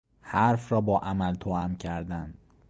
حرف را با عمل توام کردن